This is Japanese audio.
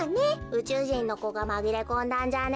うちゅうじんのこがまぎれこんだんじゃね？